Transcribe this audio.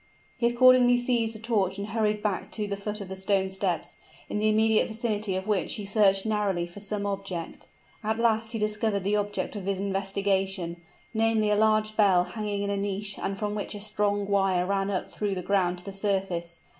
He accordingly seized a torch and hurried back to the foot of the stone steps; in the immediate vicinity of which he searched narrowly for some object. At last he discovered the object of his investigation namely a large bell hanging in a niche, and from which a strong wire ran up through the ground to the surface.